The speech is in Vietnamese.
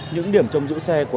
những điểm trong giữ xe của nó là